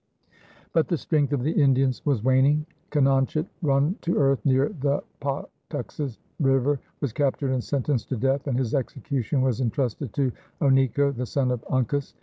But the strength of the Indians was waning. Canonchet, run to earth near the Pawtuxet River, was captured and sentenced to death, and his execution was entrusted to Oneko, the son of Uncas.